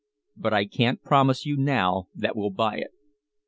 But I can't promise you now that we'll buy it.